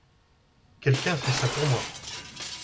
Quelqu'un fait ça pour moi.